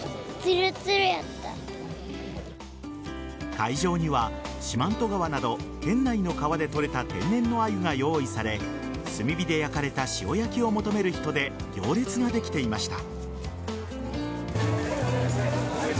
会場には四万十川など県内の川で捕れた天然のアユが用意され炭火で焼かれた塩焼きを求める人で行列ができていました。